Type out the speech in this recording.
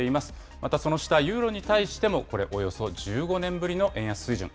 また、その下、ユーロに対してもこれ、およそ１５年ぶりの円安水準。